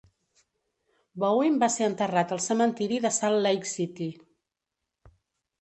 Bowen va ser enterrat al cementiri de Salt Lake City.